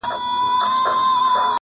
ګیدړ سمدستي پنیر ته ورحمله کړه!